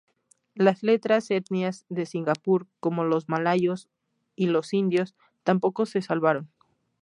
Las otras etnias de Singapur, como los malayos y los indios, tampoco se salvaron.